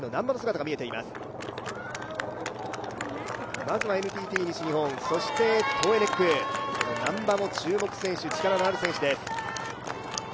まずはＮＴＴ西日本、トーエネック、難波も注目選手、力のある選手です